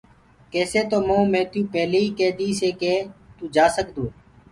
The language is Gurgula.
ڪيسي تو مئو ميٿيٚو پيلي ئيٚ ڪي ديٚسي ڪي تو جآسگدوئي